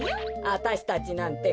あたしたちなんて